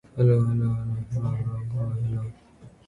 Over the years the name and its purpose became more widely known.